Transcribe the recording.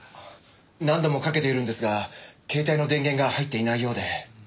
何度もかけているんですが携帯の電源が入っていないようで。